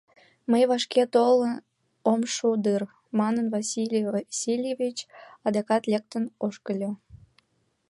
Мый вашке толын ом шу дыр, — манын, Василий Васильевич адакат лектын ошкыльо.